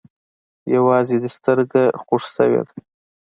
يوازې دې سترگه خوږ سوې ده.